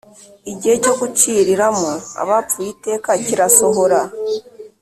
igihe cyo guciriramo abapfuye iteka kirasohora,